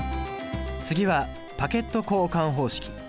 次はパケット交換方式。